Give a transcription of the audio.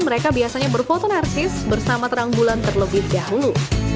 mereka biasanya berfoto narkis bersama terang bulan terlebih dahulu